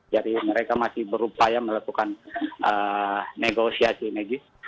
jadi mereka masih berupaya melakukan negosiasi megi